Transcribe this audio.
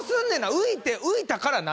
浮いて浮いたから何？